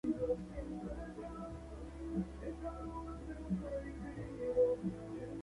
Ha dirigido la Escuela Latinoamericana de Física en cinco ocasiones.